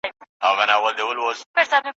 کله هسک ته کله ستورو ته ختلای